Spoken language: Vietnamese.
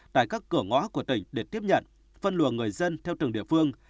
tại các cửa ngõ của tỉnh để tiếp nhận phân luận người dân theo trường địa phương